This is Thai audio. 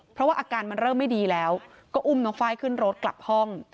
เพราะว่าอาการมันเริ่มไม่ดีแล้วก็อุ้มน้องไฟล์ขึ้นรถกลับห้อง